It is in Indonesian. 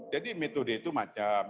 jadi metode itu macam